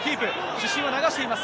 主審は流しています。